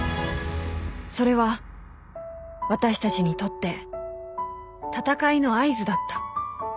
［それは私たちにとって戦いの合図だった］